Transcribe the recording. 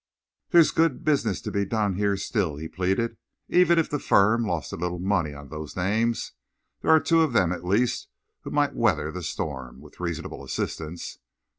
"There's good business to be done here still," he pleaded. "Even if the firm lost a little money on those names, there are two of them at least who might weather the storm, with reasonable assistance.